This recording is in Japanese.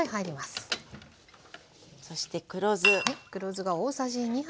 そして黒酢。